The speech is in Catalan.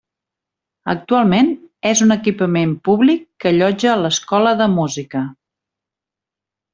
Actualment és un equipament públic que allotja l'escola de música.